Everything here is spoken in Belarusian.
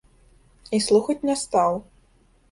І слухаць не стаў.